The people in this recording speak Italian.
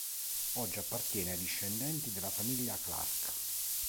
Oggi appartiene ai discendenti della famiglia Clark.